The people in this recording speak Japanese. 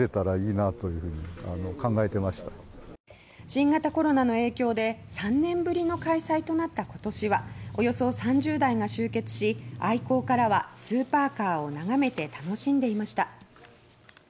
新型コロナの影響で３年ぶりの開催となった今年はおよそ３０台が集結し愛好家らはずらりと並んだスーパーカーを眺めて楽しんでいました。